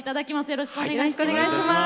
よろしくお願いします。